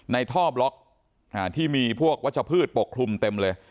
ในท่อบล็อกที่มีพวกวัชพืชปกคลุมเต็มเลย